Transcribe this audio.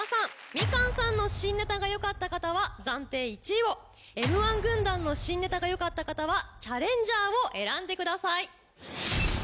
みかんさんの新ネタがよかった方は暫定１位を Ｍ−１ 軍団の新ネタがよかった方はチャレンジャーを選んでください。